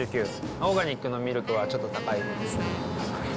オーガニックのミルクはちょっと高いですね。